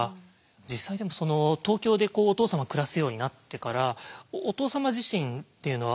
実際その東京でお父様暮らすようになってからお父様自身っていうのは。